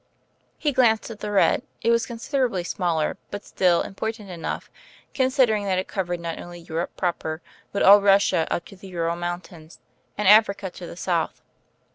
He glanced at the red; it was considerably smaller, but still important enough, considering that it covered not only Europe proper, but all Russia up to the Ural Mountains, and Africa to the south.